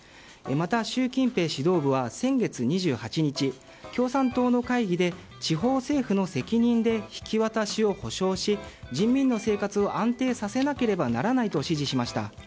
また、習近平指導部は先月２８日共産党の会議で地方政府の責任で引き渡しを保証し、人民の生活を安定させなければならないと指示しました。